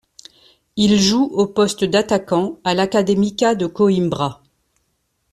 Il joue au poste d'attaquant à l'Académica de Coimbra.